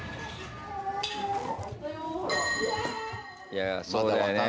いや、そうだよね。